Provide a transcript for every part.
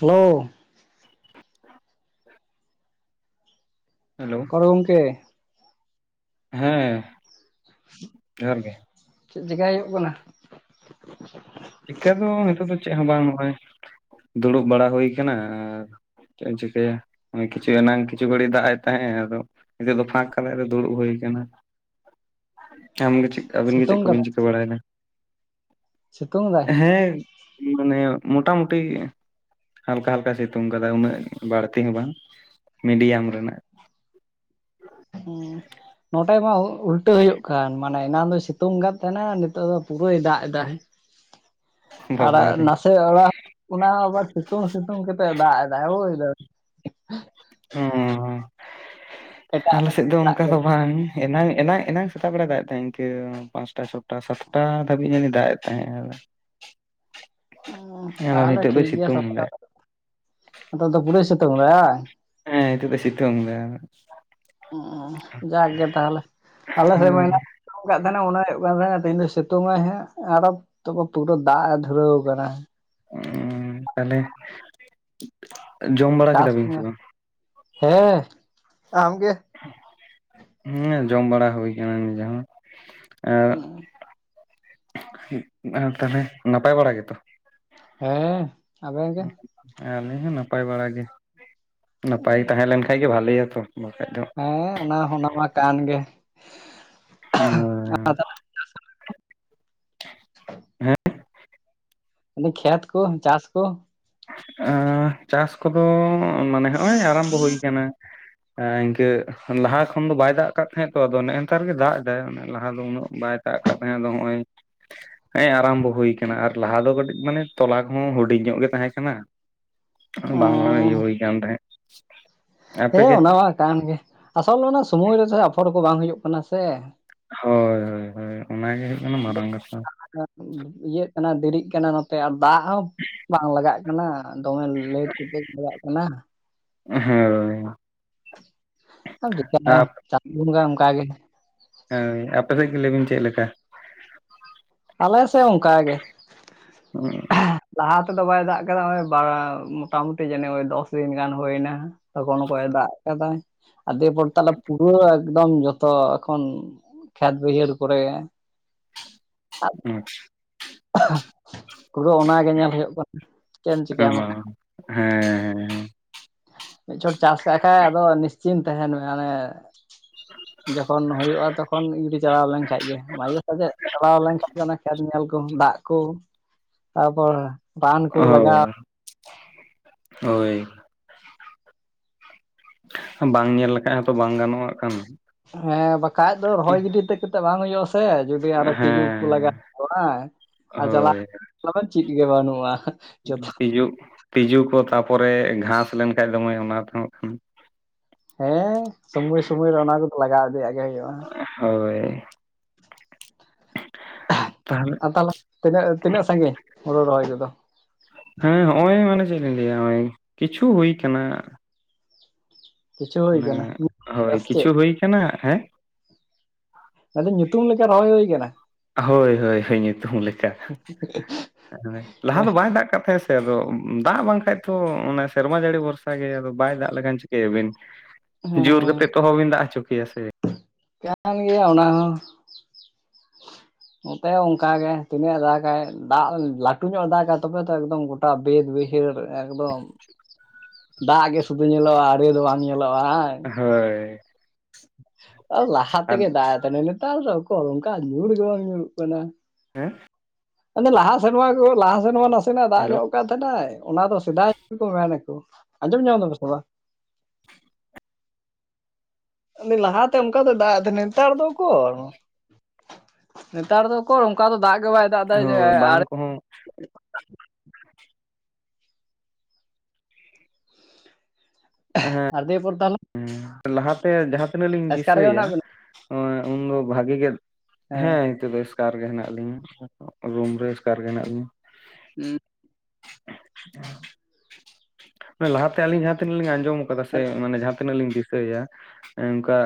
Hello, hello, [unintelligible] ᱜᱚᱝᱠᱮ ᱦᱮᱸ, ᱡᱚᱦᱟᱨ ᱜᱮ, ᱪᱮᱫ ᱪᱮᱠᱟᱭ ᱦᱳᱭᱳᱜ ᱠᱟᱱᱟ? [unintelligible] ᱪᱤᱠᱟᱹ ᱫᱚ ᱱᱤᱛᱚᱜ ᱫᱚ ᱪᱮᱫ ᱦᱚᱸ ᱵᱟᱝ ᱱᱚᱜᱼᱚᱭ, ᱫᱩᱲᱩᱵ ᱵᱟᱲᱟ ᱦᱩᱭ ᱠᱟᱱᱟ ᱟᱨ ᱪᱮᱫ ᱤᱧ ᱪᱤᱠᱟᱹᱭᱟ, ᱚᱦᱭ ᱠᱤᱪᱷᱩ ᱮᱱᱟᱝ ᱠᱤᱪᱷᱩ ᱜᱷᱟᱹᱲᱤᱡ ᱫᱟᱜ ᱮ ᱛᱟᱦᱮᱸᱜ ᱮ ᱟᱫᱚ ᱱᱤᱛᱚᱜ ᱫᱚ ᱯᱷᱟᱸᱠ ᱠᱟᱫᱟᱭ ᱟᱫ ᱫᱩᱲᱩᱵ ᱦᱩᱭ ᱠᱟᱱᱟ᱾ [unintelligible] ᱟᱢᱜᱮ ᱪᱮᱠᱟ ᱟᱹᱵᱤᱱ ᱜᱮ ᱪᱮᱠ ᱥᱤᱛᱩᱝ ᱠᱚᱵᱤᱱ ᱠᱟᱫᱟᱭ ᱪᱤᱠᱟᱹ ᱵᱟᱲᱟᱭᱫᱟ? ᱥᱤᱛᱩᱝ ᱫᱟᱭ? ᱦᱮᱸ, ᱢᱟᱱᱮ ᱢᱳᱴᱟ ᱢᱩᱴᱤ, ᱦᱟᱞᱠᱟ ᱦᱟᱞᱠᱟ ᱥᱤᱛᱩᱝ ᱠᱟᱫᱟ, ᱩᱱᱟᱹᱜ ᱵᱟᱲᱛᱤ ᱦᱚᱸ ᱵᱟᱝ, ᱢᱤᱰᱤᱭᱟᱢ ᱨᱮᱱᱟᱜ᱾ ᱚᱸᱻ ᱱᱚᱰᱮ ᱢᱟ ᱩᱞᱴᱟᱹ ᱦᱳᱭᱳᱜ ᱠᱟᱱ, ᱢᱟᱱᱮ ᱮᱱᱟᱱ ᱫᱚ ᱥᱤᱛᱩᱝ ᱠᱟᱜ ᱛᱟᱦᱮᱸᱱᱟ, ᱟᱨ ᱱᱤᱛᱚᱜ ᱫᱚ ᱯᱩᱨᱟᱹᱭ ᱫᱟᱜ ᱮᱫᱟᱦᱮ ᱟᱲᱟᱜ, ᱵᱟᱵᱟᱨᱮ ᱱᱟᱥᱮ ᱟᱲᱟᱜ ᱚᱱᱟ ᱦᱚᱸ ᱟᱵᱟᱨ ᱥᱤᱛᱩᱝ ᱥᱤᱛᱩᱝ ᱠᱮᱛᱮᱜ ᱮ ᱫᱟᱜ ᱮᱫᱟᱭ ᱵᱩᱡᱫᱟ ᱦᱚᱸᱻ ᱮᱴᱟᱜ ᱟᱞᱮ ᱥᱮᱫ ᱫᱚ ᱫᱟᱜ ᱚᱱᱠᱟ ᱜᱮ ᱫᱚ ᱵᱟᱝ᱾ ᱮᱱᱟᱝ ᱮᱱᱟᱝ ᱮᱱᱟᱝ ᱥᱮᱛᱟᱜ ᱵᱮᱲᱟ ᱫᱟᱜ ᱮ ᱛᱟᱦᱮᱸᱫ ᱤᱱᱠᱟᱹ ᱯᱟᱸᱥᱴᱟ, ᱪᱷᱚᱴᱟ, ᱥᱟᱛᱴᱟ ᱫᱷᱟᱹᱵᱤᱡ ᱮ ᱫᱟᱜ ᱮ ᱛᱟᱦᱮᱸᱜ ᱮ᱾ ᱩᱸ ᱛᱟᱦᱚᱞᱮ ᱱᱤᱛᱚᱜ ᱫᱚᱭ ᱴᱷᱤᱠ ᱜᱮᱭᱟ ᱥᱤᱛᱩᱝ ᱥᱟᱛᱴᱟ ᱮᱫᱟᱭ [unintelligible] ᱱᱤᱛᱳᱜ ᱫᱚ ᱯᱩᱟᱹᱭ ᱥᱮᱛᱳᱝ ᱫᱟ ᱵᱟ? ᱦᱮᱸ ᱱᱤᱛᱚᱜ ᱫᱚᱭ ᱥᱤᱛᱩᱝ ᱫᱟ᱾ ᱚᱸ ᱡᱟᱠ ᱜᱮ ᱛᱟᱦᱞᱮ, ᱟᱞᱮ ᱥᱮ ᱢᱟ ᱦᱳᱭ ᱮᱱᱟ ᱠᱟᱜ ᱛᱟᱦᱮᱱᱟ ᱢᱚᱱᱮ ᱦᱩᱭᱩᱜ ᱠᱟᱱ ᱛᱟᱦᱮᱱᱟ ᱛᱮᱦᱮᱧ ᱫᱚᱭ ᱥᱤᱛᱩᱝ ᱟᱭ ᱦᱟᱸᱜ, ᱟᱨᱚ ᱛᱚ ᱯᱩᱨᱟᱹ ᱫᱟᱜ ᱮ ᱫᱷᱩᱨᱟᱹᱣ ᱠᱟᱱᱟ᱾ ᱮᱸ ᱛᱟᱦᱚᱞᱮ, ᱡᱚᱢ ᱵᱟᱲᱟ ᱪᱟᱥ ᱠᱮᱫᱟᱵᱤᱱ ᱥᱮᱵᱟᱝ? ᱦᱮᱸ ᱟᱢᱜᱮ ᱦᱩᱸ ᱡᱚᱢ ᱵᱟᱲᱟ ᱦᱩᱭ ᱠᱟᱱᱟ ᱜᱚᱝᱠᱮ ᱮᱜ ᱛᱚᱞᱮ ᱱᱟᱯᱟᱭ ᱵᱟᱲᱟ ᱜᱮ ᱛᱚ᱾ ᱦᱮᱸ, ᱟᱵᱮᱱ ᱜᱮ ᱟᱹᱞᱤᱧ ᱦᱚᱸ ᱱᱟᱯᱟᱭ ᱵᱟᱲᱟ ᱜᱮ ᱱᱟᱯᱟᱭ ᱛᱟᱦᱮᱸ ᱞᱮᱱᱠᱷᱟᱭ ᱜᱮ ᱵᱷᱟᱞᱮᱭᱟᱛᱚ᱾ ᱵᱟᱠᱷᱟᱡ ᱫᱚ, ᱦᱮᱸ ᱚᱱᱟ ᱦᱚᱸ ᱱᱟᱯᱟᱭ ᱠᱟᱱ ᱜᱮ᱾ ᱦᱳᱭ᱾ ᱠᱷᱮᱛ ᱠᱚ ᱪᱟᱥ ᱠᱚ,, ᱮᱸ ᱪᱟᱥ ᱠᱚᱫᱚ ᱢᱟᱱᱮ ᱦᱚᱸᱜᱼᱚᱭ ᱟᱨᱚᱢᱵᱷᱚ ᱦᱩᱭ ᱠᱟᱱᱟ ᱮᱸ ᱤᱱᱠᱟᱹ ᱞᱟᱦᱟ ᱠᱷᱚᱱ ᱫᱚ ᱵᱟᱭ ᱫᱟᱜ ᱠᱟᱜ ᱛᱟᱦᱮᱸᱫ ᱛᱚ ᱟᱫᱚ ᱱᱮᱝᱠᱟ ᱨᱮᱜᱮ ᱫᱟᱜ ᱮᱫᱟᱭ ᱞᱟᱦᱟ ᱫᱚ ᱩᱱᱟᱹᱜ ᱵᱟᱭ ᱫᱟᱜ ᱠᱟᱫ ᱛᱟᱦᱮᱸ ᱟᱫᱚ ᱦᱚᱸᱜᱼᱚᱭ᱾ ᱦᱮᱸ ᱟᱨᱚᱢᱵᱷᱚ ᱦᱩᱭᱠᱟᱱᱟ ᱟᱨ ᱞᱟᱦᱟ ᱫᱚ ᱠᱟᱹᱴᱤᱡ ᱢᱟᱱᱮ ᱛᱚᱞᱟ ᱠᱚᱦᱚᱸ ᱦᱩᱰᱤᱧ ᱧᱚᱜ ᱜᱮ ᱛᱟᱦᱮᱸ ᱠᱟ ᱠᱟᱱᱟ ᱵᱟᱝ ᱞᱟᱨ ᱵᱤᱜᱟᱱ ᱨᱮ ᱛᱟᱸᱦᱮᱜ᱾ ᱦᱳ ᱚᱱᱟ ᱠᱟᱱ ᱜᱮ ᱟᱥᱚᱞ ᱚᱱᱟ ᱥᱚᱢᱚᱭ ᱨᱮ ᱟᱯᱷᱥᱚᱨ ᱠᱚ ᱵᱟᱝ ᱦᱩᱭᱩᱜ ᱠᱟᱱᱟ ᱥᱮ᱾ ᱦᱳᱭ ᱚᱱᱟᱜᱮ ᱦᱩᱭᱩᱜ ᱠᱟᱱᱟ ᱢᱟᱨᱟᱝ ᱠᱟᱛᱷᱟ᱾ ᱤᱭᱟᱹᱜ ᱠᱟᱱᱟ ᱫᱮᱨᱤᱜ ᱠᱟᱱᱟ ᱱᱚᱛᱮ ᱟᱨ ᱫᱟᱜ ᱦᱚᱸ ᱵᱟᱝ ᱞᱟᱜᱟᱜ ᱠᱟᱱᱟ᱾ ᱫᱚᱢᱮ ᱞᱮᱴ ᱠᱟᱛᱮ ᱞᱟᱜᱟᱜ ᱠᱟᱱᱟ᱾ ᱦᱳᱭ, ᱟᱢᱫᱚᱢ ᱪᱤᱠᱟᱹᱭᱟ ᱪᱟᱸᱫᱳ ᱵᱚᱸᱜᱟ ᱚᱱᱠᱟ ᱜᱮ᱾ ᱦᱳᱭ ᱟᱯᱮ ᱥᱮᱫ ᱜᱮ ᱞᱟᱹᱭᱵᱤᱱ ᱪᱮᱫ ᱞᱮᱠᱟ᱾ ᱟᱞᱮ ᱥᱮᱫ ᱦᱚᱸ ᱚᱱᱠᱟ ᱜᱮ᱾ ᱞᱟᱦᱟ ᱛᱮᱫᱚ ᱵᱟᱭ ᱫᱟᱜ ᱠᱟᱫᱟ ᱵᱟ ᱢᱚᱴᱟᱢᱩᱢᱤ ᱡᱟᱱᱤᱡ ᱫᱚᱥ ᱫᱤᱱ ᱜᱟᱱ ᱦᱩᱭ ᱱᱟ᱾ ᱛᱚᱠᱷᱚᱱ ᱠᱚᱭ ᱫᱟᱜ ᱠᱟᱫᱟᱭ ᱫᱤᱭᱮᱯᱚᱨ ᱛᱟᱦᱚᱞᱮ ᱯᱩᱨᱟᱹ ᱮᱠᱫᱚᱢ ᱡᱚᱛᱚ ᱮᱠᱷᱚᱱ ᱠᱷᱮᱛ ᱵᱟᱹᱭᱦᱟᱹᱲ ᱠᱚᱨᱮ, ᱟᱪᱪᱷᱟ, ᱯᱩᱨᱟᱹ ᱚᱱᱟᱜᱮ ᱧᱮᱞ ᱦᱩᱭᱩᱜ ᱠᱟᱱᱟ ᱪᱮᱫ ᱮᱢ ᱪᱤᱠᱟᱹᱭ ᱵᱟ ᱦᱮᱸᱻ, ᱢᱤᱫ ᱪᱚᱴ ᱪᱟᱥ ᱠᱟᱜ ᱠᱷᱟᱡ ᱟᱫᱚ ᱱᱤᱥᱪᱤᱛ ᱛᱟᱦᱮᱸᱱ ᱢᱮ, ᱡᱚᱠᱷᱚᱱ ᱦᱩᱭᱩᱜᱼᱟ ᱛᱚᱠᱷᱚᱱ ᱜᱤᱰᱤ ᱪᱟᱞᱟᱣ ᱞᱮᱱᱠᱷᱟᱱ ᱜᱮ ᱢᱟᱡᱷᱮ ᱥᱟᱡᱷᱮ ᱪᱟᱞᱟᱣ ᱞᱮᱱᱠᱷᱟᱱ, ᱚᱱᱟ ᱠᱷᱮᱛ ᱧᱮᱞ ᱠᱚ ᱫᱟᱜ ᱠᱚ ᱛᱟᱨᱯᱚᱨ ᱵᱟᱱ ᱠᱚ ᱦᱳᱭ ᱞᱟᱜᱟᱣ, ᱦᱳᱭ, ᱵᱟᱝ ᱧᱮᱞ ᱞᱮᱠᱷᱟᱱ ᱦᱚᱸᱛᱚ ᱵᱟᱝ ᱜᱟᱱᱚᱜᱼᱟ ᱟᱜᱠᱷᱟᱱ᱾ ᱦᱮᱸ ᱵᱟᱠ ᱵᱟᱠᱟᱡ ᱫᱚ ᱨᱚᱦᱚᱭ ᱜᱤᱰᱤ ᱠᱟᱛᱮᱫ ᱵᱟᱝ ᱦᱩᱭᱩᱜᱼᱟ ᱥᱮ ᱡᱩᱫᱤ ᱟᱨᱚ ᱛᱤᱡᱩ ᱠᱚ ᱦᱮᱸ ᱞᱟᱜᱟᱣᱟ ᱵᱟᱝ, ᱟᱨ ᱡᱟᱞᱟ ᱦᱳᱭ ᱚᱱᱟ ᱫᱚ ᱪᱤᱫ ᱜᱮ ᱵᱟᱹᱱᱩᱜᱼᱟ, ᱛᱤᱡᱩᱜ ᱛᱤᱡᱩ ᱠᱚ ᱛᱟᱨᱯᱚᱨ ᱜᱷᱟᱥ ᱞᱮᱱᱠᱷᱟᱱᱡ ᱫᱚᱢᱮ ᱛᱮᱦᱚᱸ, ᱦᱮᱸ ᱥᱚᱢᱚᱭ ᱥᱚᱢᱚᱭ ᱨᱮ ᱚᱱᱟ ᱠᱚᱫᱚ ᱞᱟᱜᱟᱣ ᱤᱫᱤᱭᱟᱜ ᱜᱮ ᱦᱩᱭᱩᱜᱼᱟ᱾ ᱦᱳᱭ ᱛᱟᱦᱞᱮ, ᱟᱨ ᱛᱟᱦᱚᱞᱮ ᱛᱤᱱᱟᱹᱜ ᱛᱤᱱᱟᱹᱜ ᱥᱟᱺᱜᱤᱧ ᱦᱩᱲᱩ ᱨᱚᱦᱚᱭ ᱠᱚᱫᱚ, ᱦᱮᱸ ᱦᱚᱜᱼᱚᱭ ᱢᱟᱱᱮ ᱪᱮᱫ ᱤᱧ ᱞᱟᱹᱭᱟ ᱱᱚᱜ-ᱚᱭ ᱠᱤᱪᱷᱩ ᱦᱩᱭ ᱟᱠᱟᱱᱟ᱾ ᱠᱤᱪᱷᱩ ᱦᱩᱭ ᱠᱟᱱᱟ ᱦᱳᱭ ᱠᱤᱪᱷᱩ ᱪᱮᱫ, ᱦᱩᱭ ᱠᱟᱱᱟ ᱦᱮᱸ ᱟᱫᱚ ᱧᱩᱛᱩᱢ ᱞᱮᱠᱟ ᱨᱚᱦᱚᱭ ᱦᱩᱭ ᱟᱠᱟᱱᱟ᱾ ᱦᱳᱭ ᱦᱳᱭ ᱦᱳᱭ ᱧᱩᱛᱩᱢ ᱞᱮᱠᱟ᱾ ᱦᱮᱸ ᱞᱟᱦᱟ ᱦᱮᱸ ᱫᱚ ᱵᱟᱭ ᱫᱟᱜ ᱠᱟᱜ ᱛᱟᱦᱮᱸ ᱥᱮ ᱟᱫᱚ ᱫᱟᱜ ᱵᱟᱝᱠᱷᱟᱡ ᱛᱚ ᱚᱱᱟ ᱥᱮᱨᱢᱟ ᱡᱟᱹᱲᱤ ᱵᱚᱨᱥ ᱚᱱᱠᱟ ᱜᱮ ᱟᱫᱚ ᱵᱟᱭ ᱫᱟᱜ ᱞᱮᱠᱷᱟᱱ ᱪᱤᱠᱟᱹᱭᱟᱵᱤᱱ ᱾ [unintelligible] ᱡᱳᱨ ᱠᱟᱛᱮᱫ ᱛᱚ ᱚᱦᱚᱵᱤᱱ ᱫᱟᱜ ᱦᱚᱪᱚ ᱠᱮᱭᱟ ᱥᱮ ᱾ ᱠᱟᱱ ᱜᱮᱭᱟ ᱚᱱᱟ ᱦᱚᱸ ᱾ ᱱᱚᱛᱮ ᱦᱚ ᱚᱱᱠᱟ ᱜᱮ ᱛᱤᱱᱟᱹᱜ ᱮ ᱫᱟᱜᱟᱭ ᱫᱟᱜ ᱞᱟᱹᱴᱩ ᱧᱚᱜ ᱮ ᱫᱟᱜᱟ ᱛᱚᱵᱮ ᱛᱚ ᱮᱠᱫᱚᱢ ᱜᱚᱴᱟ ᱵᱟᱹᱫᱽ ᱵᱟᱹᱭᱦᱟᱹᱲ ᱮᱠᱫᱚᱢ, ᱫᱟᱜ ᱜᱮ ᱥᱩᱫᱩ ᱧᱮᱞᱚᱜᱼᱟ ᱟᱲᱮ ᱫᱚ ᱵᱟᱝ ᱧᱮᱞᱚᱜᱼᱟ ᱦᱟᱝ? ᱦᱳᱭ ᱾ ᱞᱟᱦᱟ ᱛᱮᱜᱮ ᱫᱟᱜ ᱮᱫ ᱛᱟᱦᱮᱱᱟ ᱱᱮᱛᱟᱨ ᱫᱚ ᱚᱠᱚᱨ ᱚᱱᱠᱟ ᱧᱩᱨ ᱜᱮ ᱵᱟᱝ ᱧᱩᱨᱩᱜ ᱠᱟᱱᱟ ᱾ ᱦᱮᱸ ᱾ ᱟᱫᱚ ᱞᱟᱦᱟ ᱥᱮᱨᱢᱟ ᱠᱚ ᱞᱟᱦᱟ ᱥᱮᱨᱢᱟ ᱱᱟᱥᱮᱱᱟᱜ ᱫᱟᱜ ᱦᱮᱞᱳ ᱧᱚᱜ ᱠᱟᱫ ᱛᱟᱦᱮᱱᱟᱭ ᱚᱱᱟ ᱫᱚ ᱥᱮᱫᱟᱭ ᱠᱚ ᱢᱮᱱᱟ ᱠᱚ ᱾ ᱟᱸᱡᱚᱢ ᱧᱟᱢ ᱫᱟᱵᱮᱱ ᱥᱮ ᱵᱟᱝ? ᱞᱟᱦᱟ ᱛᱮ ᱚᱱᱠᱟ ᱫᱚᱭ ᱫᱟᱜ ᱮᱫ ᱛᱟᱦᱮᱱᱟ ᱱᱮᱛᱟᱨ ᱫᱚ ᱚᱠᱚᱨ? ᱱᱮᱛᱟᱨ ᱫᱚ ᱚᱱᱠᱟ ᱫᱚ ᱫᱟᱜ ᱜᱮ ᱵᱟᱭ ᱫᱟᱜ ᱮᱫᱟ ᱡᱮ ᱦᱳᱭ ᱟᱨ ᱵᱟᱸᱫ ᱠᱚᱦᱚᱸ ᱮᱸ ᱦᱮᱸᱜ ᱾ ᱟᱨ ᱫᱮᱭᱮ ᱯᱚᱨ ᱛᱟᱦᱞᱮ ᱞᱟᱦᱟᱛᱮ ᱡᱟᱦᱟᱸ ᱛᱤᱱᱟᱹᱜ ᱞᱤᱧ ᱨᱮᱜᱮ ᱫᱤᱥᱟᱹᱭᱟ ᱢᱮᱱᱟᱜ ᱵᱮᱱᱟ ᱩᱱᱫᱚ ᱵᱷᱟᱜᱤ ᱜᱮ ᱦᱮᱸ ᱱᱤᱛᱚᱜ ᱫᱚ ᱮᱥᱠᱟᱨ ᱜᱮ ᱦᱮᱱᱟᱜ ᱞᱤᱧᱟ ᱨᱩᱢ ᱨᱮ ᱮᱥᱠᱟᱨ ᱜᱮ ᱦᱮᱱᱟᱜ ᱞᱤᱧᱟ ᱾ ᱦᱩᱸ ᱾ ᱢᱟᱱᱮ ᱞᱟᱦᱟ ᱛᱮ ᱟᱞᱤᱧ ᱡᱟᱦᱟᱸ ᱛᱤᱱᱟᱹᱜ ᱞᱤᱧ ᱟᱸᱡᱚᱢ ᱟᱠᱟᱫᱟ ᱥᱮ ᱢᱟᱱᱮ ᱡᱟᱦᱟᱸ ᱛᱤᱱᱟᱹᱜ ᱞᱤᱧ ᱫᱤᱥᱟᱹᱭᱟ ᱚᱱᱠᱟ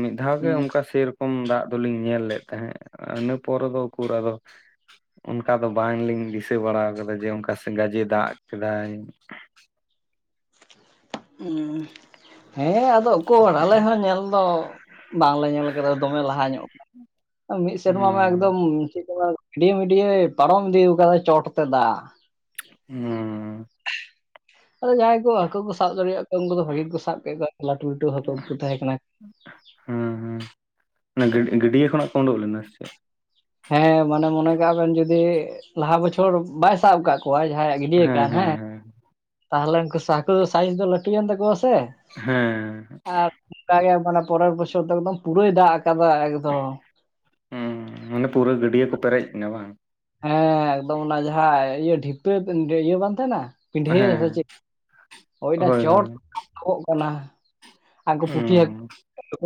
ᱢᱤᱫ ᱫᱷᱟᱣ ᱜᱮ ᱦᱩᱸ ᱚᱱᱠᱟ ᱥᱮᱨᱚᱠᱚᱢ ᱫᱟᱜ ᱫᱚᱞᱤᱧ ᱧᱮᱞ ᱞᱮᱫ ᱛᱟᱦᱮᱸᱫ ᱤᱱᱟᱹ ᱯᱚᱨᱮ ᱫᱚ ᱩᱠᱩᱨ ᱟᱫᱚ ᱚᱱᱠᱟ ᱫᱚ ᱵᱟᱝᱞᱤᱧ ᱫᱤᱥᱟᱹ ᱵᱟᱲᱟ ᱟᱫᱟ ᱡᱮ ᱚᱱᱠᱟ ᱥᱮ ᱜᱟᱡᱮ ᱫᱟᱜ ᱠᱮᱫᱟᱭ ᱾ ᱩᱸ, ᱦᱮᱸ ᱟᱫᱚ ᱚᱠᱚᱨ ᱟᱞᱮ ᱦᱚᱸ ᱧᱮᱞ ᱫᱚ ᱵᱟᱝᱞᱮ ᱧᱮᱞ ᱠᱟᱫᱟ ᱫᱚᱢᱮ ᱞᱟᱦᱟ ᱧᱚᱜ ᱜᱮ, ᱢᱤᱫ ᱥᱮᱨᱢᱟ ᱢᱟ ᱦᱩᱸ ᱮᱠᱫᱚᱢ ᱪᱮᱫ [unintelligible] ᱜᱟᱹᱰᱭᱟᱹ ᱢᱤᱰᱭᱟᱹᱭ ᱯᱟᱨᱚᱢ ᱤᱫᱤ ᱟᱠᱟᱫᱟ ᱪᱚᱴ ᱛᱮ ᱫᱟᱜ ᱾ ᱦᱩᱸ ᱾ ᱟᱫᱚ ᱡᱟᱦᱟᱸᱭ ᱠᱚ ᱦᱟᱹᱠᱩ ᱠᱩ ᱥᱟᱵ ᱫᱟᱲᱮᱭᱟᱜ ᱠᱚᱣᱟ ᱩᱱᱠᱩ ᱫᱚ ᱵᱷᱟᱹᱜᱤ ᱠᱚ ᱥᱟᱵ ᱠᱮᱫ ᱠᱚᱣᱟ ᱞᱟᱹᱴᱩ ᱞᱟᱹᱴᱩ ᱦᱟᱹᱠᱩ ᱠᱚ ᱛᱟᱦᱮᱸ ᱠᱟᱱᱟ ᱾ ᱦᱩᱸ ᱦᱩᱸ ᱚᱱᱟ ᱜᱟᱹᱰ ᱜᱟᱹᱰᱭᱟᱹ ᱠᱷᱚᱱᱟᱜ ᱠᱚ ᱩᱰᱩᱠ ᱞᱮᱱᱟ ᱥᱮ ᱪᱮᱫ? ᱦᱮᱸ ᱢᱟᱱᱮ ᱢᱚᱱᱮ ᱠᱟᱜ ᱵᱮᱱ ᱡᱩᱫᱤ ᱞᱟᱦᱟ ᱵᱚᱪᱷᱚᱨ ᱵᱟᱭ ᱥᱟᱵ ᱟᱠᱟᱫ ᱠᱚᱣᱟᱭ ᱡᱟᱦᱟᱸᱭᱟᱜ ᱜᱟᱹᱰᱤᱭᱟᱹ ᱠᱟᱱ ᱦᱮᱸ, ᱛᱟᱦᱚᱞᱮ ᱩᱱᱠᱩ ᱦᱟᱹᱠᱩ ᱫᱚ ᱥᱟᱭᱤᱡ ᱫᱚ ᱞᱟᱹᱴᱩᱭᱮᱱ ᱛᱟᱠᱚᱣᱟ ᱥᱮ ᱾ ᱦᱮᱸ ᱾ ᱚᱱᱠᱟ ᱜᱮ ᱢᱟᱱᱮ ᱯᱚᱨᱮᱨ ᱵᱚᱪᱷᱚᱨ ᱫᱚ ᱮᱠᱫᱚᱢ ᱯᱩᱨᱟᱹᱭ ᱫᱟᱜ ᱟᱠᱟᱫᱟ ᱮᱠᱫᱚᱢ ᱾ ᱦᱩᱸ ᱢᱟᱱᱮ ᱯᱩᱨᱟᱹ ᱜᱟᱹᱰᱭᱟᱹ ᱠᱚ ᱯᱮᱨᱮᱡ ᱮᱱᱟ ᱵᱟᱝ? ᱦᱮᱸ ᱮᱠᱫᱚᱢ ᱚᱱᱟ ᱡᱟᱦᱟᱸ ᱤᱭᱟᱹ ᱰᱷᱤᱯᱟᱹ ᱤᱭᱟᱹ ᱵᱟᱝ ᱛᱟᱦᱮᱸᱱᱟ ᱯᱤᱰᱷᱟᱹ ᱦᱮᱸ ᱥᱮ ᱦᱮᱸ ᱪᱮᱜ, ᱦᱳᱭ ᱚᱱᱟ ᱪᱚᱴ ᱠᱚᱜ ᱠᱟᱱᱟ, ᱟᱨ ᱩᱱᱠᱩ ᱯᱩᱴᱷᱤ ᱦᱩᱸ ᱦᱟᱹᱠ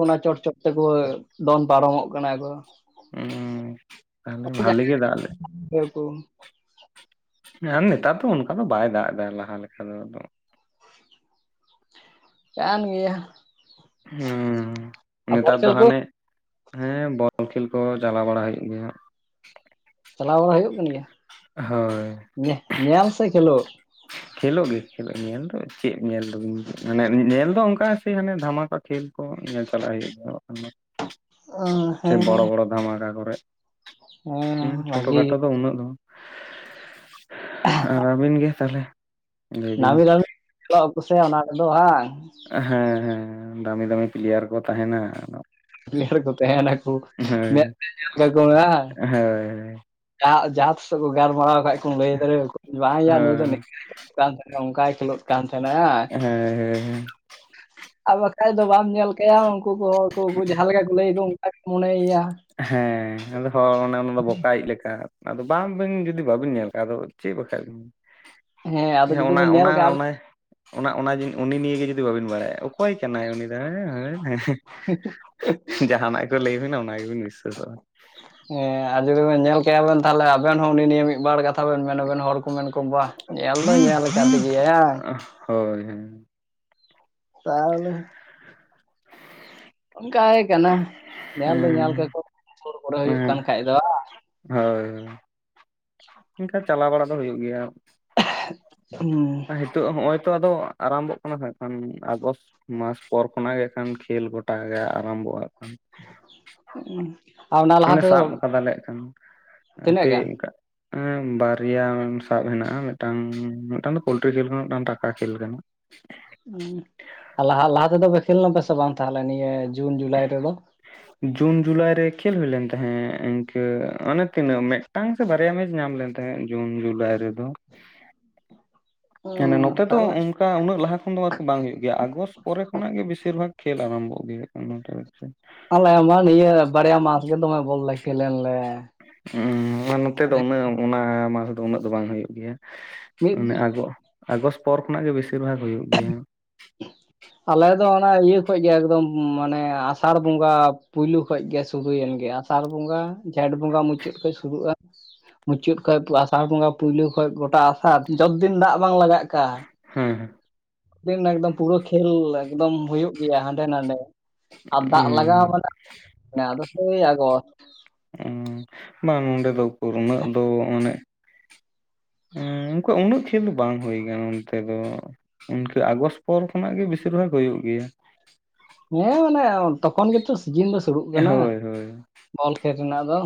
ᱚᱱᱟ ᱪᱚᱴ ᱪᱚᱴ ᱛᱮᱠᱚ ᱫᱚᱱ ᱯᱟᱨᱚᱢᱚᱜ ᱠᱟᱱᱟ ᱠᱚ ᱾ ᱦᱩᱸ, ᱛᱟᱦᱞᱮ ᱵᱷᱟᱞᱮ ᱜᱮ ᱫᱟᱜ ᱞᱮᱫ [unintelligible] ᱠᱩ ᱾ ᱟᱨ ᱱᱮᱛᱟᱨ ᱫᱚ ᱚᱱᱠᱟ ᱫᱚ ᱵᱟᱭ ᱫᱟᱜ ᱮᱫᱟ ᱞᱟᱦᱟ ᱞᱮᱠᱟ ᱫᱚ ᱟᱫᱚ ᱾ ᱠᱟᱱ ᱜᱮᱭᱟ ᱾ ᱦᱩᱸ ᱵᱚᱞ ᱱᱮᱛᱟᱨ ᱫᱚ ᱠᱷᱮᱞ ᱠᱚ ᱦᱟᱱᱮ ᱦᱮᱸ ᱵᱚᱞ ᱠᱷᱮᱞ ᱠᱚ ᱪᱟᱞᱟᱣ ᱵᱟᱲᱟ ᱦᱩᱭᱩᱜ ᱜᱮᱭᱟ ᱾ ᱪᱟᱞᱟᱣ ᱵᱟᱲᱟ ᱦᱩᱭᱩᱜ ᱠᱟᱱ ᱜᱮᱭᱟ? ᱦᱳᱭ, ᱧᱮ- ᱧᱮᱞ ᱥᱮ ᱠᱷᱮᱞᱳᱜ? ᱠᱷᱮᱞᱳᱜ ᱜᱮ ᱠᱷᱮᱞᱳᱜ ᱧᱮᱞ ᱫᱚ ᱪᱮᱫ ᱧᱮᱞ ᱫᱚ ᱢᱟᱱᱮ ᱧᱮᱞ ᱫᱚ ᱚᱱᱠᱟ ᱥᱮ ᱦᱟᱱᱮ ᱫᱷᱟᱢᱟᱠᱟ᱾ ᱠᱷᱮᱞ ᱠᱚ ᱧᱮᱞ ᱪᱟᱞᱟᱜ ᱦᱩᱭᱩᱜ ᱜᱮᱭᱟ ᱵᱟᱝ ᱠᱷᱟᱱ ᱵᱟᱝ᱾ ᱥᱮ ᱦᱮᱸ ᱵᱚᱲᱚ ᱵᱚᱲᱚ ᱫᱷᱟᱢᱟᱠᱟ ᱠᱚᱨᱮ ᱦᱮᱸ ᱦᱩᱸ ᱪᱷᱳᱴᱳ ᱵᱷᱟᱜᱤ ᱜᱮ ᱠᱷᱟᱴᱳ ᱫᱚ ᱩᱱᱟᱹᱜ ᱫᱚ ᱵᱟᱝ᱾ ᱟᱹᱵᱤᱱ ᱜᱮ ᱛᱟᱦᱞᱮ? ᱱᱟᱹᱢᱤ ᱱᱟᱹᱢᱤ [unintelligible] ᱦᱮᱸ ᱦᱮᱸ ᱫᱟᱹᱢᱤ ᱫᱟᱹᱢᱤ ᱯᱞᱮᱭᱟᱨ ᱠᱚ ᱛᱟᱦᱮᱸᱱᱟ᱾ ᱰᱮᱨ ᱠᱚ ᱛᱟᱦᱮᱸᱱᱟ ᱠᱚ ᱢᱮᱫ ᱛᱮ ᱧᱮᱞ ᱠᱟᱠᱚ ᱢᱮ ᱦᱟᱸᱜ? ᱦᱳᱭ ᱦᱳᱭ, ᱡᱟᱦᱟᱸ ᱡᱟᱦᱟᱸ ᱛᱤᱥᱦᱚᱸ ᱠᱚ ᱜᱟᱞᱢᱟᱨᱟᱣ ᱠᱷᱟᱡ ᱠᱚᱢ ᱞᱟᱹᱭ ᱫᱟᱲᱮᱭᱟᱠᱚᱣᱟ ᱵᱟᱝᱭᱟ ᱱᱩᱭ ᱫᱚ ᱱᱤᱝᱠᱮ ᱱᱤᱝᱠᱮ [unintelligible] ᱚᱝᱠᱟᱭ ᱠᱷᱮᱞᱳᱜ ᱠᱟᱱ ᱛᱟᱦᱮᱸᱱᱟ ᱦᱮᱸ ᱾ ᱟᱨ ᱵᱟᱠᱷᱟᱡ ᱫᱚ ᱵᱟᱢ ᱧᱮᱞ ᱠᱟᱭᱟ ᱩᱱᱠᱩ ᱠᱚ ᱠᱚ ᱡᱟᱦᱟᱸ ᱞᱮᱠᱟ ᱠᱚ ᱞᱟᱹᱭᱼᱟ ᱠᱚ᱾ ᱢᱚᱱᱮᱭᱟ᱾ ᱦᱮᱸ ᱟᱫᱚ ᱦᱚᱲ ᱚᱱᱮ ᱚᱱᱟ ᱫᱚ ᱵᱚᱠᱟᱭᱤᱡ ᱞᱮᱠᱟ᱾ ᱟᱫᱚ ᱵᱟᱝᱵᱤᱱ ᱡᱩᱫᱤ ᱵᱟᱹᱵᱤᱱ ᱧᱮᱞ ᱠᱟᱫ ᱟᱫᱚ ᱪᱮᱫ ᱵᱟᱠᱷᱟᱡ ᱾ ᱟᱫᱚ ᱦᱮᱸ ᱡᱩᱫᱤ ᱚᱱᱟ ᱵᱮᱱ ᱧᱮᱞ ᱚᱱᱟ ᱠᱟᱜᱼᱟ ᱚᱱᱮ ᱚᱱᱟ ᱚᱱᱟ ᱡᱮ ᱩᱱᱤ ᱱᱤᱭᱮ ᱡᱩᱫᱤ ᱵᱟᱹᱵᱤᱱ ᱵᱟᱲᱟᱭᱟ ᱚᱠᱚᱭ ᱠᱟᱱᱟᱭ ᱩᱱᱤ ᱫᱚ ᱦᱮᱸ ᱦᱮᱸ᱾ [unintelligible] ᱡᱟᱦᱟᱸᱱᱟᱜ ᱠᱚ ᱞᱟᱹᱭ ᱟᱹᱵᱤᱱᱟᱜ ᱚᱱᱟ ᱜᱮ ᱵᱤᱱ ᱵᱤᱥᱥᱟᱥᱚᱜᱼᱟ᱾ ᱦᱮᱸ ᱟᱨ ᱡᱩᱫᱤ ᱵᱮᱱ ᱧᱮᱞ ᱠᱟᱭᱟ ᱵᱮᱱ ᱛᱟᱦᱚᱞᱮ ᱾ ᱟᱵᱮᱱ ᱦᱚᱸ ᱩᱱᱤ ᱱᱤᱭᱟᱹ ᱢᱤᱫ ᱵᱟᱨ ᱠᱟᱛᱷᱟ ᱵᱮᱱ ᱢᱮᱱ ᱟᱵᱮᱱ ᱦᱚᱲ ᱠᱚ ᱢᱮᱱ ᱠᱚ ᱵᱟ ᱧᱮᱞ ᱫᱚ ᱧᱮᱞ ᱟᱠᱟᱫ ᱾ [unintelligible] ᱦᱳᱭ ᱛᱟᱦᱞᱮ [unintelligible] ᱚᱱᱠᱟ ᱜᱮ ᱠᱟᱱᱟ ᱧᱮᱞ ᱫᱚ ᱧᱮᱞ ᱠᱟ ᱦᱮᱸ ᱠᱚ ᱥᱳᱨ ᱠᱚᱨᱮ ᱦᱩᱭᱩᱜ ᱠᱟᱱ ᱠᱷᱟᱡ ᱫᱚ ᱦᱳᱭ ᱦᱳᱭ ᱚᱱᱠᱟ ᱪᱟᱞᱟᱣ ᱵᱟᱲᱟ ᱫᱚ ᱦᱳᱭᱳᱜ ᱜᱮᱭᱟ᱾ ᱦᱩᱸ ᱱᱤᱛᱚᱜ ᱦᱚᱜ ᱚᱭ ᱛᱚ ᱟᱫᱚ ᱟᱨᱟᱢ ᱵᱷᱚᱜ ᱠᱟᱱᱟ ᱦᱟᱜ ᱠᱷᱟᱱ ᱟᱜᱚᱥᱴ ᱢᱟᱥ ᱯᱚᱨ ᱠᱷᱚᱱᱟᱜ ᱠᱷᱟᱱ ᱜᱚᱴᱟ ᱜᱮ ᱟᱨᱟᱢᱵᱷᱚᱜᱼᱟ ᱦᱟᱜ ᱠᱷᱟᱱ ᱚᱱᱟ ᱞᱟᱦᱟ ᱚᱱᱮ ᱛᱮᱫᱚ ᱥᱟᱵ ᱠᱟᱫᱟ ᱞᱮ ᱠᱷᱟᱱ ᱛᱤᱱᱟᱹᱜ ᱦᱟᱯᱮ ᱜᱟᱱ ᱚᱱᱠᱟ ᱮᱸ ᱵᱟᱨᱭᱟ ᱥᱟᱵ ᱦᱮᱱᱟᱜᱼᱟ ᱢᱤᱫᱴᱟᱝ ᱢᱤᱫᱴᱟᱝ ᱫᱚ ᱯᱳᱞᱴᱨᱤ ᱠᱷᱮᱞ ᱠᱟᱱᱟ ᱫᱟᱱ ᱴᱟᱠᱟ ᱠᱷᱮᱞ ᱠᱟᱱᱟ᱾ ᱦᱩᱸ ᱟᱨ ᱞᱟᱦᱟ ᱞᱟᱦᱟ ᱛᱮ ᱫᱚ ᱯᱮ ᱠᱷᱮᱞ ᱱᱟᱯᱮ ᱥᱮ ᱵᱟᱝ ᱛᱟᱦᱞᱮ ᱱᱤᱭᱟᱹ ᱡᱩᱱ ᱡᱩᱞᱟᱭ ᱨᱮ ᱫᱚ᱾ ᱡᱩᱱ ᱡᱩᱞᱟᱭ ᱨᱮ ᱠᱷᱮᱞ ᱦᱩᱭᱞᱮᱱᱟ ᱛᱟᱦᱮᱸᱜ ᱤᱱᱠᱟᱹ ᱚᱱᱮ ᱛᱤᱱᱟᱹᱜ ᱢᱮ᱾ ᱢᱤᱫᱴᱟᱝ ᱥᱮ ᱵᱟᱨᱭᱟ ᱢᱮᱪ ᱧᱟᱢ ᱞᱮᱱ ᱛᱟᱦᱮᱸᱫ ᱡᱩᱱ ᱡᱩᱞᱟᱭ ᱨᱮᱫᱚ᱾ ᱢᱟᱱᱮ ᱱᱚᱛᱮ ᱛᱚ ᱛᱟᱦᱚᱞᱮ ᱚᱱᱠᱟ ᱩᱱᱟᱹᱜ ᱞᱟᱦᱟ ᱠᱷᱚᱱ ᱫᱚ ᱟᱨ ᱵᱟᱝ ᱦᱩᱭᱩᱜ ᱜᱮᱭᱟ ᱟᱜᱚᱥᱴ ᱯᱚᱨᱮ ᱠᱷᱚᱱᱟᱜ ᱜᱮ ᱵᱮᱥᱤᱨ ᱵᱷᱟᱜᱽ ᱠᱷᱮᱞ ᱟᱨᱟᱢᱵᱷᱚᱜ ᱜᱮᱭᱟ᱾ ᱟᱞᱮ ᱢᱟ ᱱᱤᱭᱟᱹ ᱵᱟᱨᱭᱟ ᱢᱟᱥ ᱜᱮ ᱫᱚᱢᱮ ᱵᱚᱞ ᱞᱮ ᱠᱷᱮᱞᱮᱱ ᱞᱮ ᱦᱩᱸ ᱱᱚᱛᱮ ᱫᱚ ᱩᱱᱟᱹᱜ ᱚᱱᱟ ᱫᱚ ᱩᱱᱟᱹᱜ ᱫᱚ ᱵᱟᱝ ᱦᱩᱭᱩᱜ ᱜᱮᱭᱟ᱾ ᱢᱤᱫ ᱢᱟᱱᱮ ᱟᱜᱚ ᱟᱜᱚᱥᱴ ᱠᱷᱚ ᱱᱟᱜ ᱜᱮ ᱵᱮᱥᱤᱨ ᱵᱷᱟᱜᱽ ᱦᱩᱭᱩᱜ ᱜᱮᱭᱟ᱾ [unintelligible] ᱟᱞᱮ ᱫᱚ ᱚᱱᱟ ᱤᱭᱟᱹ ᱠᱷᱚᱡ ᱜᱮ ᱮᱠᱫᱚᱢ ᱢᱟᱱᱮ ᱟᱥᱟᱲ ᱵᱚᱸᱜᱟ ᱯᱩᱭᱞᱩ ᱠᱷᱚᱡ ᱜᱮ ᱥᱩᱨᱩᱭᱮᱱ ᱜᱮᱭᱟ᱾ ᱥᱟᱨ ᱵᱚᱸᱜᱟ ᱡᱷᱮᱸᱴ ᱵᱚᱸᱜᱟ ᱢᱩᱪᱟᱹᱫ ᱠᱷᱚᱱᱚᱡ ᱥᱩᱨᱩᱜᱼᱟ᱾ ᱢᱩᱪᱟᱹᱫ ᱠᱷᱚᱡ ᱟᱥᱟᱲ ᱵᱚᱸᱜᱟ ᱯᱳᱭᱞᱳ ᱠᱷᱚᱡ ᱜᱚᱴᱟ ᱟᱥᱟᱲ ᱡᱚᱛ ᱫᱤᱱ ᱫᱟᱜ ᱵᱟᱝ ᱞᱟᱜᱟᱜ ᱠᱟᱱ ᱦᱮᱸ, ᱦᱮᱸ᱾ ᱫᱤᱱ ᱮᱠᱫᱚᱢ ᱯᱩᱨᱟᱹ ᱠᱷᱮᱞ ᱮᱠᱫᱚᱢ᱾ ᱦᱳᱭᱳᱜ ᱜᱮᱭᱟ ᱦᱟᱸᱰᱮ ᱱᱟᱰᱮ ᱟᱨ ᱫᱟᱜ ᱞᱟᱜᱟᱣ ᱢᱟᱱᱮ ᱟᱫᱚ ᱥᱮᱭ ᱟᱸᱜᱚᱥᱴ᱾ ᱵᱟᱝ ᱱᱚᱸᱰᱮ ᱫᱚ ᱩᱠᱩᱨ ᱩᱱᱟᱹᱜ ᱫᱚ ᱢᱟᱱᱮ ᱦᱩᱸ ᱚᱱᱠᱟ ᱩᱱᱟᱹᱜ ᱠᱷᱮᱞ ᱫᱚ ᱵᱟᱝ ᱦᱳᱭ ᱠᱟᱱᱟ ᱚᱱᱛᱮ ᱫᱚ᱾ ᱤᱱᱠᱟᱹ ᱟᱸᱜᱚᱥᱴ ᱯᱚᱨ ᱠᱷᱚᱱᱟᱜ ᱜᱮ ᱵᱮᱥᱤᱨ ᱵᱷᱟᱜᱽ ᱦᱩᱭᱩᱜ ᱜᱮᱭᱟ᱾ ᱦᱮᱸ ᱢᱟᱱᱮ ᱛᱚ ᱠᱷᱚᱱ ᱜᱮ ᱛᱚ ᱥᱤᱡᱤᱱ ᱫᱚ ᱥᱩᱨᱩᱜ ᱠᱟᱱᱟ᱾ ᱦᱳᱭ ᱦᱳᱭ ᱵᱚᱞ ᱠᱷᱮᱞ ᱨᱮᱱᱟᱜ ᱫᱚ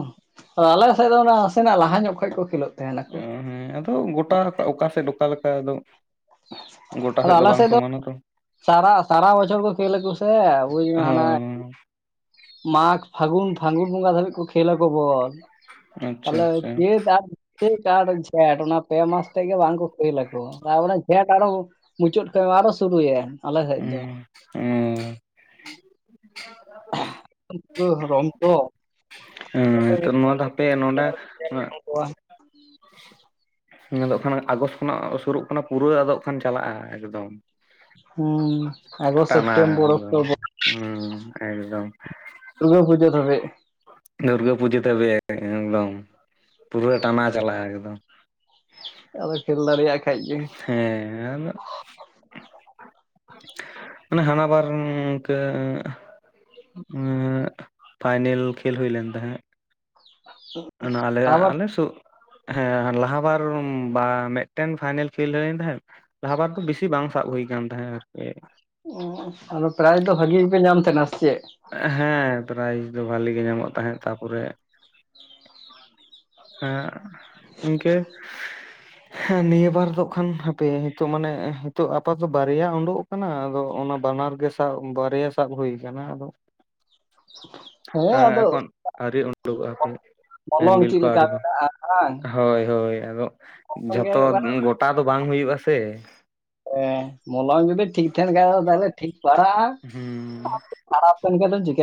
ᱟᱫᱚ ᱟᱞᱮ ᱥᱮᱫ ᱫᱚ ᱚᱱᱟ ᱱᱟᱥᱮᱱᱟᱜ ᱞᱟᱦᱟ ᱧᱚᱜ ᱠᱷᱚᱱ ᱠᱚ ᱠᱷᱮᱞᱳᱜ ᱚ ᱛᱟᱦᱮᱱᱟᱠᱚ ᱦᱮᱸ ᱟᱫᱚ ᱜᱚᱴᱟ ᱚᱠᱟ ᱥᱮᱫ ᱚᱠᱟ ᱞᱮᱠᱟ ᱟᱫᱚ᱾ ᱜᱚᱴᱟ ᱥᱮᱫ ᱫᱚ ᱵᱟᱝ ᱥᱚᱢᱟ ᱱᱟ ᱛᱚ᱾ ᱥᱟᱨᱟ ᱥᱟᱨᱟ ᱵᱚᱪᱷᱚᱨ ᱠᱚ ᱠᱷᱮᱞ ᱟᱠᱚ ᱥᱮ ᱵᱩᱡ ᱢᱮ ᱦᱟᱱᱮ ᱦᱚᱸ ᱢᱟᱜᱽ ᱯᱷᱟᱹᱜᱩᱱ, ᱯᱷᱟᱹᱜᱩᱱ ᱵᱚᱸᱜᱟ ᱫᱷᱟᱹᱵᱤᱡ ᱠᱚ ᱠᱷᱮᱞ ᱟᱠᱚ ᱵᱚᱞ ᱟᱪᱪᱷᱟ ᱛᱟᱦᱞᱮ ᱟᱪᱪᱷᱟ ᱪᱮᱫ ᱟᱨ ᱪᱟᱹᱛ ᱟᱨ ᱡᱷᱮᱸᱴ ᱚᱱᱟ ᱯᱮ ᱢᱟᱥ ᱛᱮᱫ ᱜᱮ ᱵᱟᱝ ᱠᱚ ᱠᱷᱮᱞ ᱟᱠᱚ ᱾ᱛᱟᱯᱚᱨᱮ ᱡᱷᱮᱴ ᱟᱨᱚ ᱢᱩᱪᱟᱹᱫ ᱥᱮᱫ ᱢᱟ ᱟᱨᱚ ᱥᱩᱨᱩᱭ ᱮᱱ ᱟᱞᱮ ᱥᱮᱫ ᱫᱚ᱾ ᱚ ᱟᱫᱚ ᱨᱚᱝ ᱛᱚ ᱦᱩᱸ ᱱᱚᱣᱟ ᱛᱚ ᱦᱟᱯᱮ ᱱᱚᱸᱰᱮ ᱱᱚᱣᱟ ᱫᱚ ᱠᱷᱟᱱ ᱟᱸᱜᱚᱥᱴ ᱠᱷᱚᱱᱟᱜ ᱥᱩᱨᱩᱜ ᱠᱟᱱᱟ ᱯᱩᱨᱟᱹ ᱟᱫᱚᱜ ᱠᱷᱟᱱ ᱪᱟᱞᱟᱜ-ᱟ ᱮᱠᱫᱚᱢ᱾ ᱟᱜᱚᱥᱴ ᱴᱟᱱᱟ ᱥᱮᱯᱴᱮᱢᱵᱚᱨ ᱮᱠᱫᱚᱢ ᱚᱠᱴᱳᱵᱚᱨ ᱦᱩᱸ ᱮᱠᱫᱚᱢ᱾ ᱫᱩᱨᱜᱟ ᱯᱩᱡᱟᱹ ᱫᱷᱟᱹᱵᱤᱡ᱾ ᱫᱩᱨᱜᱟᱹ ᱯᱩᱡᱟᱹ ᱫᱷᱟᱹᱵᱤᱡ ᱮᱠᱫᱚᱢ ᱯᱩᱨᱟᱹ ᱴᱟᱱᱟ ᱪᱟᱞᱟᱜ-ᱟ ᱮᱠᱫᱚᱢ᱾ ᱟᱫᱚ ᱠᱷᱮᱞ ᱫᱟᱲᱮᱭᱟᱜ ᱠᱷᱟᱡ ᱜᱮ᱾ ᱦᱮᱸ ᱟᱫᱚ ᱦᱟᱱᱮ ᱦᱟᱱᱟ ᱵᱟᱨ ᱤᱱᱠᱟᱹ ᱮᱸᱜᱻᱯᱷᱟᱭ ᱱᱮᱞ ᱠᱷᱮᱞ ᱦᱩᱭ ᱞᱮᱱ ᱛᱟᱦᱮᱸᱜ᱾ ᱚᱱᱟ ᱟᱞᱮᱭᱟᱜ ᱟᱵᱟᱨ ᱟᱞᱮ ᱥᱩᱜ ᱦᱮᱸ ᱞᱟᱦᱟ ᱵᱟᱨ ᱵᱟ ᱢᱤᱫᱴᱮᱱ ᱯᱷᱟᱭᱱᱮᱞ ᱠᱷᱮᱞ ᱦᱳᱭ ᱞᱮᱱ ᱛᱟᱦᱮᱸᱜ᱾ ᱞᱟᱦᱟ ᱵᱟᱨ ᱫᱚ ᱵᱮᱥᱤ ᱵᱟᱝ ᱥᱟᱵ ᱦᱩᱭ ᱠᱟᱱ ᱛᱟᱦᱮᱸᱫ ᱟᱨ ᱚ ᱟᱫᱚ ᱯᱨᱟᱭᱤᱡᱽ ᱫᱚ ᱵᱷᱟᱜᱤ ᱜᱮᱯᱮ ᱧᱟᱢ ᱛᱟᱦᱮᱱᱟ ᱥᱮ ᱪᱮᱫ? ᱦᱮᱸ ᱯᱨᱟᱭᱤᱡᱽ ᱫᱚ ᱵᱷᱟᱞᱤ ᱜᱮ ᱧᱟᱢᱚᱜ ᱛᱟᱦᱮᱸᱫ᱾ ᱛᱟᱯᱚᱨᱮ ᱦᱮ ᱤᱱᱠᱟᱹ ᱦᱮ ᱱᱤᱭᱟᱹ ᱵᱟᱨ ᱫᱚ ᱠᱷᱟᱱ ᱦᱟᱯᱮ ᱱᱤᱛᱳᱜ ᱢᱟᱱᱮ ᱱᱤᱛᱚᱜ ᱟᱯᱟᱛᱚ ᱵᱟᱨᱭᱟ ᱩᱰᱩᱜ ᱠᱟᱱᱟ ᱟᱫᱚ ᱚᱱᱟ ᱵᱟᱱᱟᱨ ᱜᱮ ᱥᱟᱵ ᱵᱟᱨᱭᱟ ᱥᱟᱵ ᱦᱩᱭ ᱠᱟᱱᱟ ᱟᱫᱚ [inaudible] ᱦᱮᱸ ᱟᱫᱚ ᱮᱠᱷᱚᱱ ᱟᱹᱣᱨᱤ ᱩᱰᱩᱠᱚᱜ-ᱟ ᱦᱟᱯᱮ ᱢᱚᱞᱚᱝ ᱦᱮᱱᱵᱤᱞ ᱪᱮᱫ ᱞᱮᱠᱟ ᱠᱟᱹᱣᱨᱤ ᱠᱚ ᱢᱮᱱᱟᱜᱼᱟ ᱵᱟᱝ ᱦᱳᱭ, ᱦᱳᱭ᱾ ᱟᱫᱚ ᱢᱚᱞᱚᱝ ᱜᱮ ᱡᱷᱚᱛᱚ ᱦᱩᱭᱩᱜ ᱠᱟᱱᱟ ᱜᱚᱴᱟ ᱫᱚ ᱵᱟᱝ ᱦᱩᱭᱩᱜ-ᱟ ᱥᱮ᱾ ᱦᱮᱸ ᱢᱚᱞᱚᱢ ᱡᱩᱫᱤ ᱴᱷᱤᱠ ᱴᱮᱱ ᱠᱷᱟᱱ ᱛᱟᱦᱚᱞᱮ ᱴᱷᱤᱠ ᱯᱟᱲᱟᱜ-ᱟ᱾ ᱦᱟᱨᱟᱣ ᱦᱚᱪᱚᱭ ᱮᱱ ᱠᱷᱟᱱ ᱫᱚ ᱪᱤᱠᱟᱹ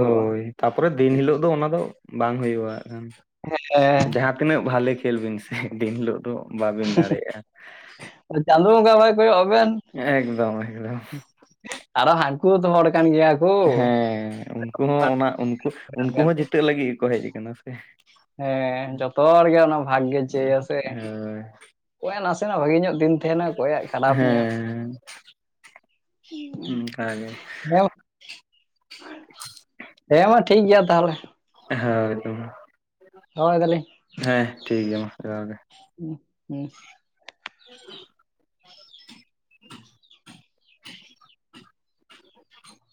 ᱦᱳᱭ ᱛᱟᱯᱚᱨᱮ ᱫᱤᱱ ᱦᱤᱞᱳᱜ ᱫᱚ ᱚᱱᱟ ᱫᱚ ᱵᱟᱝ ᱦᱩᱭᱩᱜ-ᱟ ᱦᱟᱸᱜ ᱠᱷᱟᱱ᱾ ᱦᱮᱸ᱾ ᱛᱤᱱᱟᱹᱜ ᱵᱷᱟᱞᱮ ᱠᱷᱮᱞ ᱵᱤᱱ ᱥᱮ ᱫᱤᱱ ᱦᱤᱞᱳᱜ ᱫᱚ ᱵᱟᱵᱤᱱ ᱫᱟᱲᱮᱜ-ᱟ᱾ ᱪᱟᱸᱫᱳ ᱵᱚᱸᱜᱟ ᱵᱟᱭ ᱠᱚᱭᱚᱜ ᱟᱵᱮᱱ ᱮᱠᱫᱚᱢ ᱮᱠᱫᱚᱢ ᱟᱨᱚ ᱦᱟᱱᱠᱩ ᱦᱚᱸᱛᱚ ᱦᱚᱲ ᱠᱟᱱ ᱜᱮᱭᱟ ᱠᱚ ᱦᱮᱸ ᱩᱱᱠᱩ ᱦᱚᱸ ᱚᱱᱟ ᱩᱱᱠᱩ ᱦᱚᱸ ᱡᱤᱛᱟᱹᱜ ᱞᱟᱹᱜᱤᱫ ᱜᱮᱠᱚ ᱦᱮᱡ ᱠᱟᱱᱟ ᱥᱮ᱾ ᱦᱮᱸ ᱡᱚᱛᱚ ᱦᱚᱲ ᱜᱮᱮ ᱚᱱᱟ ᱵᱷᱟᱜ ᱜᱮ ᱪᱟᱹᱭᱟ ᱥᱮ ᱦᱳᱭ ᱚᱠᱚᱭᱟᱜ ᱱᱟᱥᱮᱱᱟᱜ ᱵᱷᱟᱜᱮ ᱧᱚᱜ ᱫᱤᱱ ᱛᱟᱦᱮᱱᱟ ᱚᱠᱚᱭᱟᱜ ᱠᱷᱟᱨᱟᱯ ᱧᱚᱜ ᱾ ᱦᱮᱸ [unintelligible] ᱚᱱᱠᱟᱜᱮ ᱦᱮᱸ ᱢᱟ ᱴᱷᱤᱠ ᱜᱮᱭᱟ ᱛᱟᱦᱞᱮ ᱾ ᱦᱳᱭ ᱛᱚ ᱢᱟ ᱾ ᱫᱚᱦᱚᱭ ᱫᱟᱞᱤᱧ ᱾ ᱦᱮᱸ ᱴᱷᱤᱠ ᱜᱮᱭᱟ ᱢᱟ ᱡᱚᱦᱟᱨ ᱜᱮ ᱾ ᱦᱩᱸᱜ ᱦᱩᱸ ᱾ [unintelligible] [inaudible]